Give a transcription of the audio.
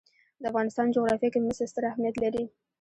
د افغانستان جغرافیه کې مس ستر اهمیت لري.